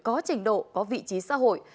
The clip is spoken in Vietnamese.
có trình độ có vị trí xã hội